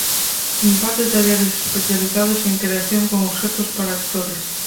Imparte talleres especializados en creación con objetos para actores.